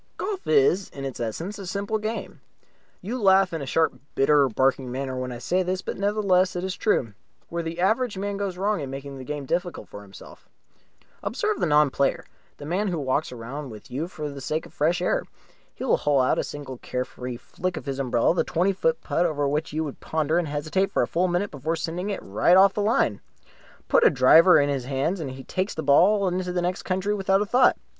Golf is in its essence a simple game. You laugh in a sharp, bitter, barking manner when I say this, but nevertheless it is true. Where the average man goes wrong is in making the game difficult for himself. Observe the non player, the man who walks round with you for the sake of the fresh air. He will hole out with a single care free flick of his umbrella the twenty foot putt over which you would ponder and hesitate for a full minute before sending it right off the line. Put a driver in his hands and he pastes the ball into the next county without a thought.